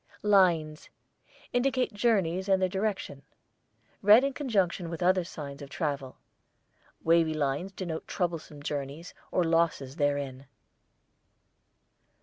LINES indicate journeys and their direction, read in conjunction with other signs of travel; wavy lines denote troublesome journeys or losses therein.